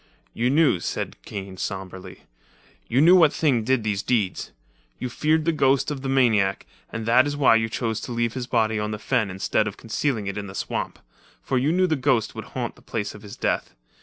"You knew," said Kane sombrely, "you knew what things did these deeds. You feared the ghost of the maniac, and that is why you chose to leave his body on the fen instead of concealing it in the swamp. For you knew the ghost would haunt the place of his death.